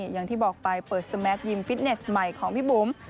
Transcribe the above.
อย่างที่บอกไปเปิดสแมคยิมฟิตเนสใหม่ของพี่บุ๋ม